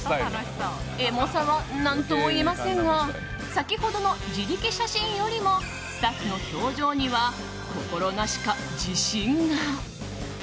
エモさは何とも言えませんが先ほどの自力写真よりもスタッフの表情には心なしか自信が。